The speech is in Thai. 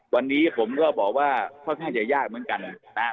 วันนี้ผมก็บอกว่าค่อนข้างจะยากเหมือนกันนะครับ